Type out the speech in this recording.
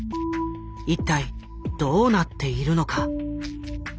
一体どうなっているのか。